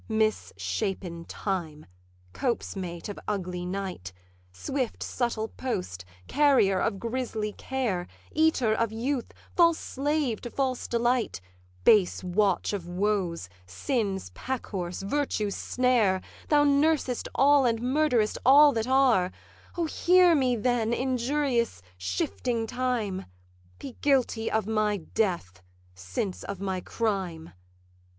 'Mis shapen Time, copesmate of ugly Night, Swift subtle post, carrier of grisly care, Eater of youth, false slave to false delight, Base watch of woes, sin's pack horse, virtue's snare; Thou nursest all and murder'st all that are: O, hear me then, injurious, shifting Time! Be guilty of my death, since of my crime.